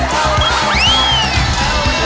เฮ้ยเจ๋งนิดนึง